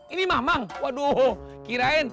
ini mamang waduh kirain